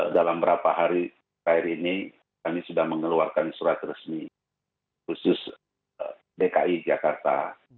dalam beberapa hari terakhir ini kami sudah mengeluarkan surat resmi khusus dki jakarta